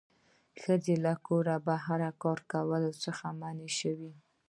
ښځې له کوره بهر کار کولو څخه منع شوې